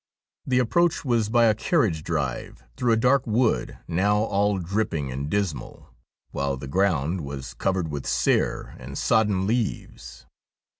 The approach was by a carriage drive through a dark wood now all dripping and dismal, while the ground was covered with sere and sodden leaves.